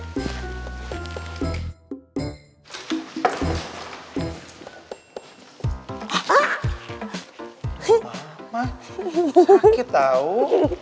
mama sakit tau